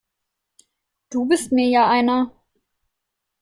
Du bist mir ja einer!